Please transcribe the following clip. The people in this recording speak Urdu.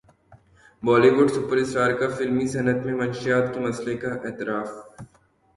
بولی وڈ سپر اسٹار کا فلمی صنعت میں منشیات کے مسئلے کا اعتراف